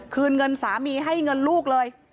เงินสามีให้เงินลูกเลย